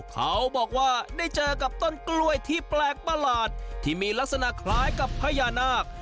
เขาบอกว่าได้เจอกับต้นกล้วยที่แปลกประหลาดที่มีลักษณะคล้ายกับพญานาค